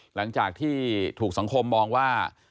หลังจากที่ถูกสังคมมองว่า